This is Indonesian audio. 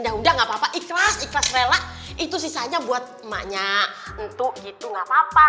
dah udah nggak papa ikhlas ikhlas rela itu sisanya buat emaknya untuk gitu nggak papa